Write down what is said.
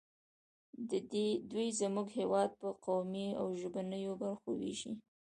دوی زموږ هېواد په قومي او ژبنیو برخو ویشي